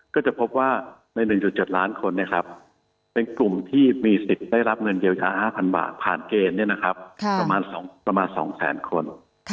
ก็จะพบว่าใน๑๗ล้านคนเป็นกลุ่มที่มีสิทธิ์ได้รับเงินเยียวยา๕๐๐บาทผ่านเกณฑ์ประมาณ๒แสนคน